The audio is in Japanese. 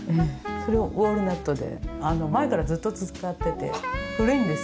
それもウォールナットで前からずっと使ってて古いんですけども。